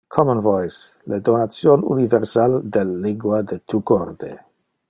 Common Voice: le donation universal del lingua de tu corde.